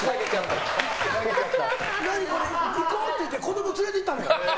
行こうって言って子供連れてったのよ。